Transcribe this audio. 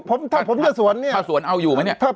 เพราะฉะนั้นประชาธิปไตยเนี่ยคือการยอมรับความเห็นที่แตกต่าง